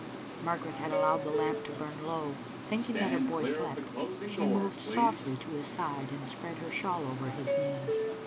Margaret had allowed the lamp to bum low. Thinking that her boy slept, she moved softly to his side and spread her shawl over his knees.